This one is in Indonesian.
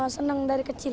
senang dari kecil